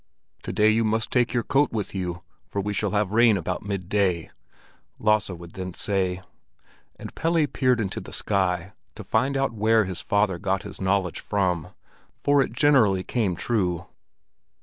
"To day you must take your coat with you, for we shall have rain about midday," Lasse would then say; and Pelle peered into the sky to find out where his father got his knowledge from. For it generally came true.